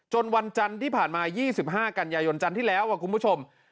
วันจันทร์ที่ผ่านมา๒๕กันยายนจันทร์ที่แล้วคุณผู้ชม